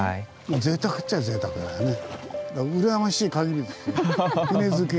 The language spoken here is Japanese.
ぜいたくっちゃぜいたくだよね。